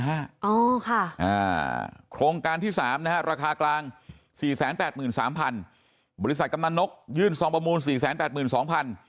โอ้ค่ะโครงการที่๓นะฮะราคากลาง๔๘๓๐๐๐บาทบริษัทกำหนดนกยื่นซองประมูล๔๘๒๐๐๐บาท